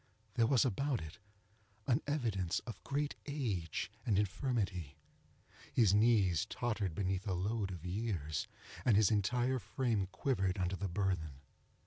There was about it an evidence of great age and infirmity. His knees tottered beneath a load of years, and his entire frame quivered under the burthen.